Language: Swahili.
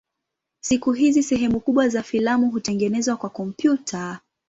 Siku hizi sehemu kubwa za filamu hutengenezwa kwa kompyuta.